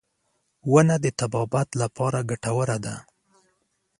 • ونه د طبابت لپاره ګټوره ده.